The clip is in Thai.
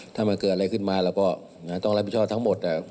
ถ้ามันเกิดอะไรขึ้นมาเราก็ต้องรับผิดชอบทั้งหมด